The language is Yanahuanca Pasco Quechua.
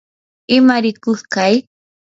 imarikuq kay